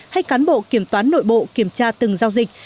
hay cán bộ kiểm toán nội bộ kiểm tra từng giao dịch